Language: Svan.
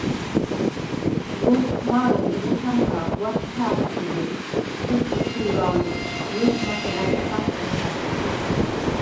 ვო̄შთხვ მა̄რე̄მ ბღეხა̈ნქა ღვაშ ქა̄̈ხვთუ̈რნედ, ჩოთტუფუ̄რა̄ლედ, ჲეშდ მახეღვა̈ჟი ქაფ ოხფასედ;